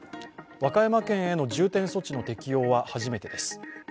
和歌山県への重点措置の適用は初めてです。